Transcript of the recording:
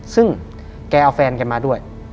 ซึ่งแกเอาแฟนแกมาด้วย